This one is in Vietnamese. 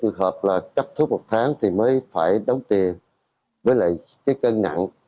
trường hợp là chấp thuốc một tháng thì mới phải đóng tiền với lại cái cân ngặn